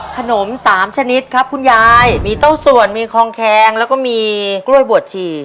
สามชนิดครับคุณยายมีเต้าส่วนมีคลองแคงแล้วก็มีกล้วยบวชชี